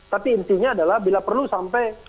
tapi intinya adalah bila perlu sampai